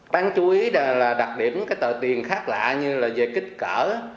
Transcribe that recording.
bán chuối là đặc điểm tờ tiền khác lạ như là về kích cỡ